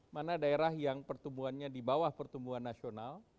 mana daerah yang pertumbuhannya di bawah pertumbuhan nasional